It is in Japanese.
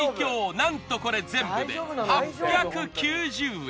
なんとこれ全部で８９０円。